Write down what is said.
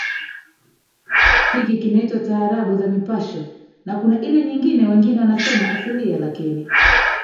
hiki kinaitwa taarabu za mipasho na kuna ile nyingine wengine wanasema asilia lakini